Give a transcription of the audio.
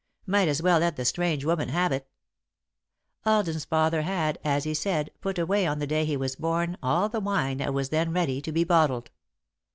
Might as well let the strange woman have it." [Sidenote: Old Wine] Alden's father had, as he said, put away on the day he was born all the wine that was then ready to be bottled.